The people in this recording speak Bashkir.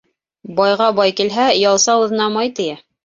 Байға бай килһә, ялсы ауыҙына май тейә.